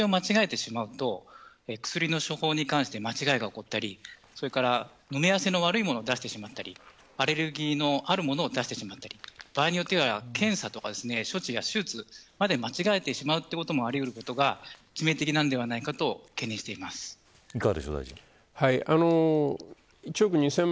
その中でひも付けを間違えてしまうと薬の処方に関して間違いが起こったりそれから飲み合わせの悪いものを出してしまったりアレルギーのあるものを出してしまったり場合によっては、検査とか処置や手術まで間違えてしまうということもあり得ることが致命的ではないかといかがでしょう、大臣。